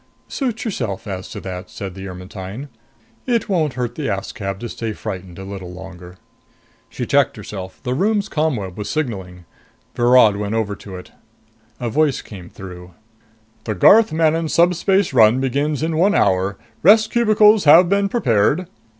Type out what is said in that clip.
"Suit yourself as to that," said the Ermetyne. "It won't hurt the Askab to stay frightened a little longer." She checked herself. The room's ComWeb was signaling. Virod went over to it. A voice came through. "... The Garth Manon subspace run begins in one hour. Rest cubicles have been prepared...."